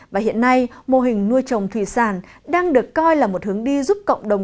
và hiện nay mô hình nuôi trồng thủy sản đang được coi là một hướng đi giúp cộng đồng